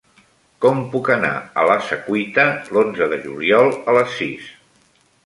Com puc anar a la Secuita l'onze de juliol a les sis?